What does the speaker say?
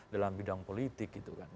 dalam bidang politik gitu kan